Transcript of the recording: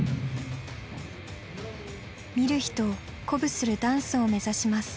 見る人を鼓舞するダンスを目指します。